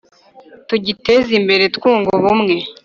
tugiteze imbere twunga ubumwe